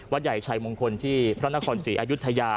ใหญ่ชัยมงคลที่พระนครศรีอายุทยา